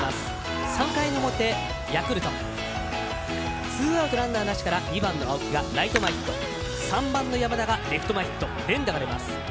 ３回の表ヤクルトツーアウト２番の青木ライト前ヒット３番の山田レフト前ヒット連打が出ました。